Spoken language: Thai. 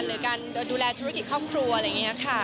หรือการดูแลธุรกิจครอบครัวอะไรอย่างนี้ค่ะ